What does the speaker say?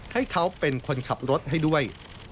ให้เขาเป็นคนขับรถให้ด้วย